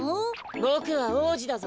ボクは王子だぞ。